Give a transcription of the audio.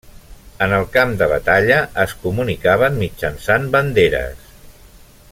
En el camp de batalla, es comunicaven mitjançant banderes.